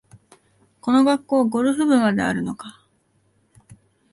この学校、ゴルフ部まであるのかあ